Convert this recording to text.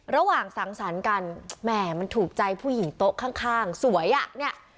ระหว่างสังสรรค์กันแหม่มันถูกใจผู้หญิงโต๊ะข้างสวยอ่ะเนี่ย